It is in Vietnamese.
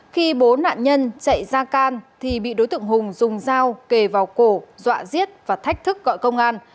khi bố nạn nhân chạy ra can thì bị đối tượng hùng dùng dao kề vào cổ dọa giết và thách thức gọi công an